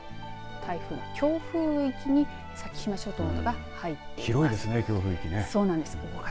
そして台風の強風域に先島諸島が入っています。